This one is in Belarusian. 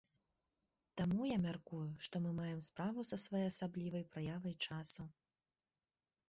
Таму я мяркую, што мы маем справу са своеасаблівай праявай часу.